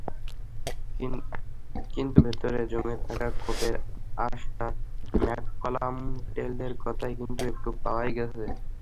কিন্তু ভেতরে জমে থাকা ক্ষোভের আঁচটা ম্যাককালাম-টেলরদের কথায় কিন্তু একটু পাওয়াই গেছে।